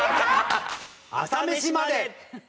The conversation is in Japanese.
『朝メシまで。』！